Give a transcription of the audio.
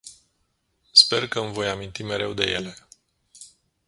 Sper că îmi voi aminti mereu de ele.